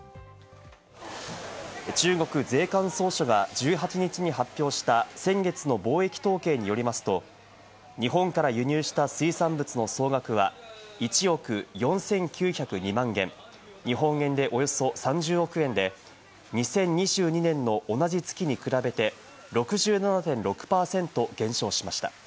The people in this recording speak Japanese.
中国税関総署が１８日に発表した先月の貿易統計によりますと、日本から輸入した水産物の総額は１億４９０２万元、日本円でおよそ３０億円で２０２２年の同じ月に比べて６７．６％減少しました。